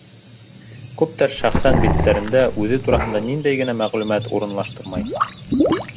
Күптәр шәхсән биттәрендә үҙе тураһында ниндәй генә мәғлүмәт урынлаштырмай.